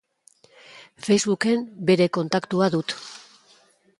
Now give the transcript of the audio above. Facebook-en bere kontaktua dut.